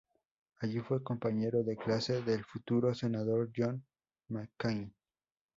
Allí fue compañero de clase del futuro Senador John McCain.